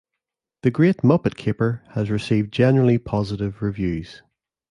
"The Great Muppet Caper" has received generally positive reviews.